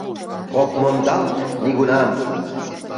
Ок мондалт нигунам